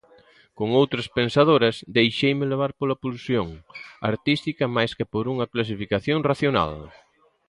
Con outras pensadoras deixeime levar pola pulsión artística máis que por unha clasificación racional.